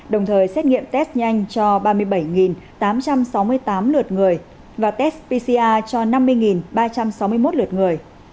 đồng thời xét nghiệm test nhanh cho ba mươi bảy tám trăm sáu mươi tám lượt người và test pcr cho năm mươi ba trăm sáu mươi một lượt người